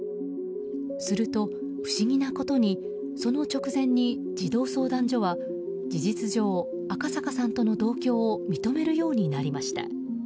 すると、不思議なことにその直前に児童相談所は事実上、赤阪さんとの同居を認めるようになりました。